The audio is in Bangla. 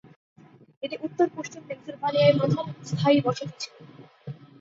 এটি উত্তর-পশ্চিম পেনসিলভানিয়ায় প্রথম স্থায়ী বসতি ছিল।